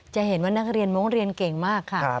จะเห็นว่านักเรียนมงค์เรียนเก่งมากค่ะ